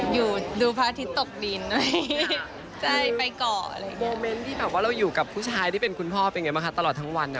อยู่ดูพระอาทิตย์ตกดินได้ไหม